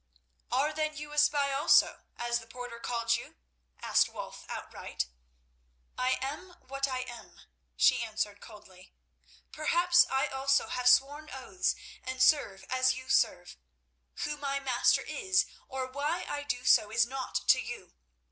"Are then you a spy also, as the porter called you?" asked Wulf outright. "I am what I am," she answered coldly. "Perhaps I also have sworn oaths and serve as you serve. Who my master is or why I do so is naught to you.